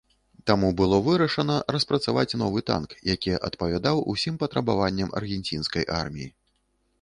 Таму было вырашана распрацаваць новы танк, які адпавядаў усім патрабаванням аргенцінскай арміі.